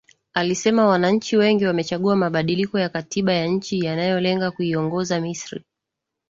alisema wananchi wengi wamechagua mabadiliko ya katiba ya nchi yanayolenga kuiongoza misri